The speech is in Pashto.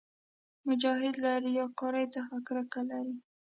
مجاهد له ریاکارۍ څخه کرکه لري.